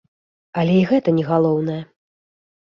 Але і гэта не галоўнае.